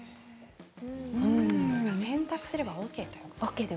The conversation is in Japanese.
洗濯すればＯＫということですね。